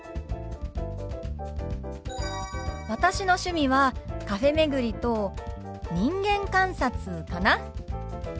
私の趣味はカフェ巡りと人間観察かな。